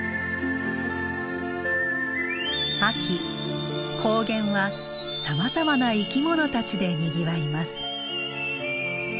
秋高原はさまざまな生きものたちでにぎわいます。